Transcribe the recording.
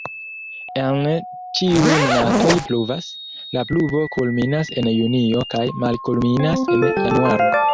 En ĉiuj monatoj pluvas, la pluvo kulminas en junio kaj malkulminas en januaro.